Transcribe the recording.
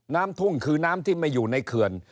น้ำทุ่งคือน้ำที่ไม่อยู่ในเขื่อน